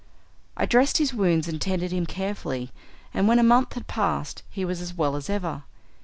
I dressed his wounds and tended him carefully, and when a month had passed he was as well as ever.